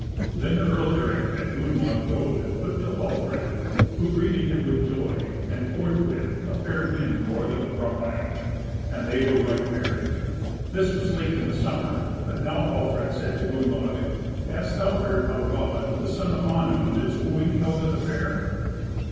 Then Earl Eric had Gunnlaug rowed put to Hallfred, who greeted him with joy; and forthwith a fair wind bore them from land, and they were right merry. This was late in the summer: but now Hallfred said to Gunnlaug, "Hast thou heard of how Raven, the son of Onund, is wooing Helga the Fair?"